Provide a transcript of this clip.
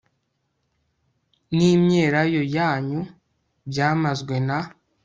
n imyelayo yanyu byamazwe na